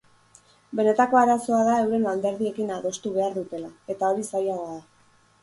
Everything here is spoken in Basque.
Benetako arazoa da euren alderdiekin adostu behar dutela, eta hori zailagoa da.